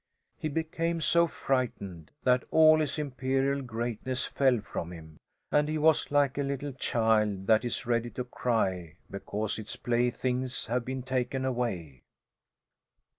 He became so frightened that all his imperial greatness fell from him, and he was like a little child that is ready to cry because its playthings have been taken away.